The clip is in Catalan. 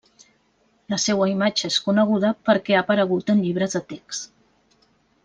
La seua imatge és coneguda perquè ha aparegut en llibres de text.